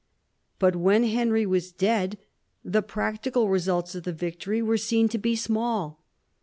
But when Henry was dead the practical results of the victory were seen to be small.